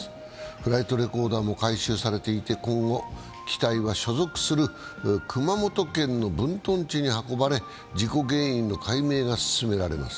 フライトレコーダーも回収されていて、今後、所属する熊本県の分屯地に運ばれ事故原因の解明が進められます。